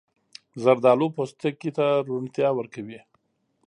زردالو پوستکي ته روڼتیا ورکوي.